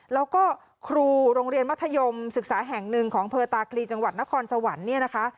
แล้วก็ครูโรงเรียนมัธยมศึกษาแห่งหนึ่งของเผลอตาคลีจังหวัดนครสวรรค์เนี่ยนะคะ